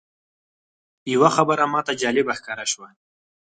یوه خبره ماته جالبه ښکاره شوه.